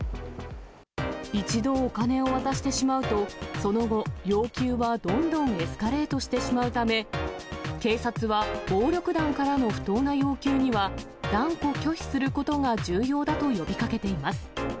一度お金を渡してしまうと、その後、要求はどんどんエスカレートしてしまうため、警察は暴力団からの不当な要求には断固拒否することが重要だと呼びかけています。